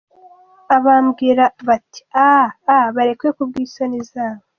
Abambwira bati “Ahaa, ahaa”, Barekwe ku bw’isoni zabo.